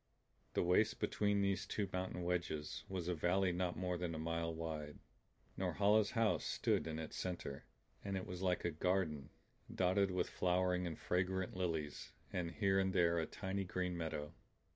The waist between these two mountain wedges was a valley not more than a mile wide. Norhala's house stood in its center; and it was like a garden, dotted with flowering and fragrant lilies and here and there a tiny green meadow.